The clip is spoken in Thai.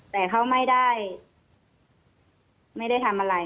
แต่เขาไม่ได้ไม่ได้ทำอะไร